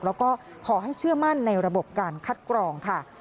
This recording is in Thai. แล้วก็ขอให้เชื่อมั่นในระบบการคัดกรองค่ะ